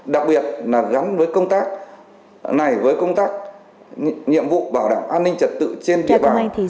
đặc biệt là gắn với công tác này với công tác nhiệm vụ bảo đảm an ninh trật tự trên